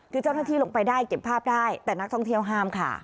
คือเจ้าหน้าที่ลงไปได้เก็บภาพได้แต่นักท่องเที่ยวห้ามค่ะ